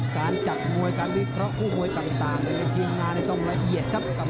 การจัดมวยการบิดกร้องผู้มวยต่างในกลิ่นงานในตรงละเอียดครับ